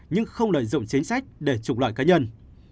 nhưng không lợi dụng chính sách để trục lợi cá nhân